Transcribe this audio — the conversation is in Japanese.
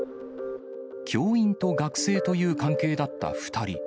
教員と学生という関係だった２人。